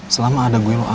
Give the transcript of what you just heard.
selama ada gue lo aman